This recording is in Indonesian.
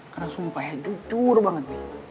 karena sumpah ya jujur banget mik